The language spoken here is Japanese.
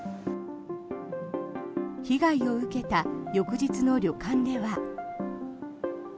被害を受けた翌日の旅館では。